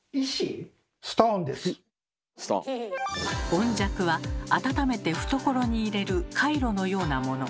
温石は温めて懐に入れるカイロのようなもの。